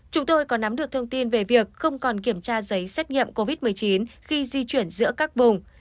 chúng tôi có nắm được thông tin về việc không còn kiểm tra giấy xét nghiệm covid một mươi chín khi di chuyển giữa các vùng